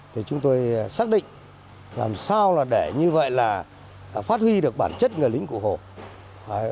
thì chúng tôi xác định làm sao là để như vậy là phát huy được bản chất người lính cụ hồ